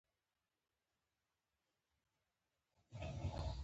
اختر مو نیکمرغه شه